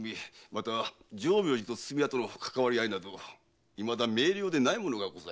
また浄明寺と筒見屋とのかかわり合いなどいまだ明瞭でないものがございます。